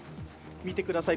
見てください